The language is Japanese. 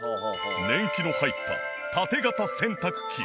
年季の入った縦型洗濯機。